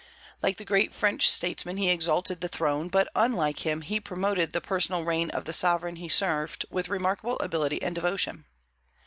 Like the great French statesman, he exalted the throne; but, unlike him, he promoted the personal reign of the sovereign he served with remarkable ability and devotion.